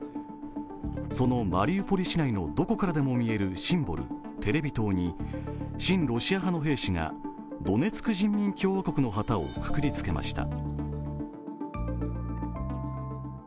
そのマリウポリ市内のどこからでも見えるテレビ塔に親ロシア派の兵士がドネツク人民共和国の旗をくくりつけました。